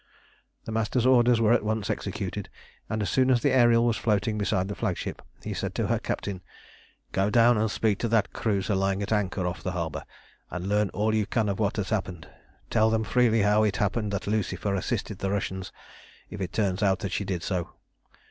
The Master's orders were at once executed, and as soon as the Ariel was floating beside the flagship he said to her captain "Go down and speak that cruiser lying at anchor off the harbour, and learn all you can of what has happened. Tell them freely how it happened that the Lucifer assisted the Russian, if it turns out that she did so.